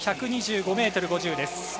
１２５ｍ５０です。